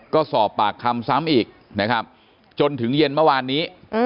ก็สอบปากคำซ้ำอีกนะครับจนถึงเย็นเมื่อวานนี้